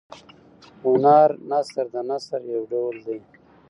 هنر نثر د نثر یو ډول دﺉ.